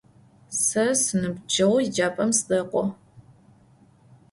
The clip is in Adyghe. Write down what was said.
Se sinıbceğu yêcap'em sıdek'o.